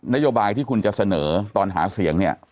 นโยบายที่คุณจะเสนอตอนหาเสียงเนี่ย